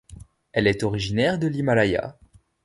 Elle est originaire de l'Himalaya.